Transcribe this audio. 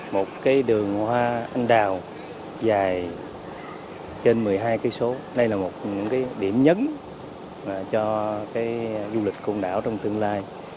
một cái đường hoa anh đào dài trên một mươi hai kỳ số đây là một cái điểm nhấn cho cái du lịch côn đảo trong tương lai